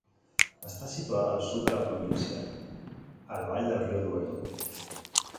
Està situada al sud de la província, a la vall del riu Duero.